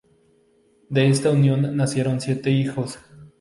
De esta unión, nacieron siete hijos.